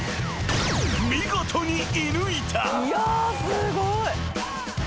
［見事に射ぬいた］